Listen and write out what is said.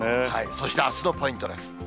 そしてあすのポイントです。